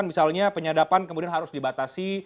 misalnya penyadapan kemudian harus dibatasi